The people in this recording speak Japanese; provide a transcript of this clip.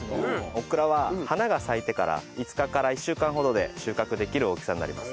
オクラは花が咲いてから５日から１週間ほどで収穫できる大きさになります。